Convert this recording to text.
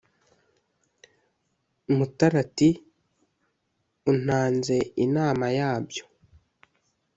Mutara ati: "Untanze inama yabyo,